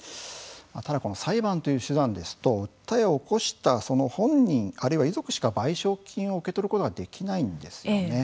ただ、この裁判という手段ですと訴えを起こした、その本人あるいは遺族しか賠償金を受け取ることができないんですよね。